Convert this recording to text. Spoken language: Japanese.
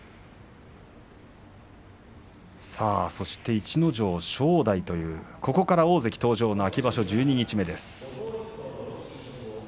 逸ノ城、正代というここから大関登場の秋場所十二日目です。